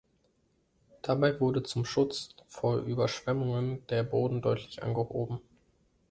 Dabei wurde zum Schutz vor Überschwemmungen der Boden deutlich angehoben.